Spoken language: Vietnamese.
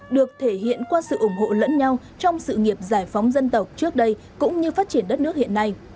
được thể hiện qua sự ủng hộ lẫn nhau trong sự nghiệp giải phóng dân tộc trước đây cũng như phát triển đất nước hiện nay